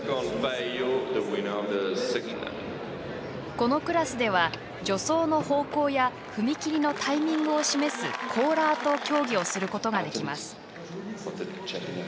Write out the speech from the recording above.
このクラスでは、助走の方向や踏み切りのタイミングを示す「コーラー」と競技をすることができます。